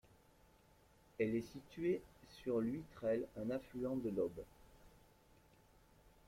Elle est située sur l'Huitrelle, un affluent de l'Aube.